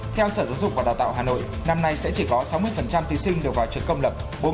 theo sở giáo dục và đào tạo hà nội năm nay sẽ chỉ có sáu mươi thí sinh đều vào trường công lập